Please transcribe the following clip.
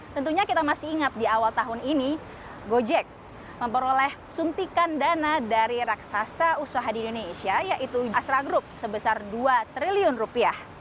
tentunya kita masih ingat di awal tahun ini gojek memperoleh suntikan dana dari raksasa usaha di indonesia yaitu astra group sebesar dua triliun rupiah